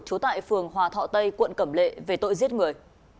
trú tại phường hòa thọ tây quận cẩm lệ về tội giết người